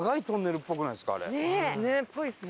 っぽいですね。